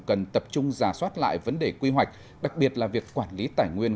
cần tập trung giả soát lại vấn đề quy hoạch đặc biệt là việc quản lý tài nguyên